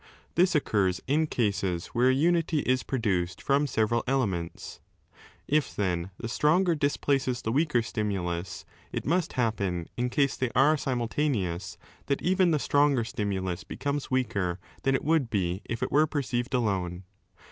This occurs in cases where a unity is produced from several elements. If, then, the stronger displaces the weaker stimulus, it must happen, in case they are simultaneous, that even the stronger stimulus becomes weaker than it would be if it were perceived alone.